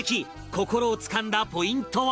心をつかんだポイントは？